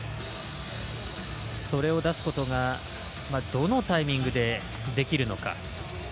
それを出すことがどのタイミングでできるのか。